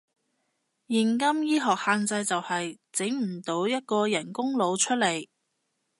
現今醫學限制就係，整唔到一個人工腦出嚟